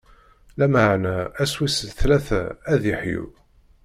Lameɛna ass wis tlata, ad d-iḥyu.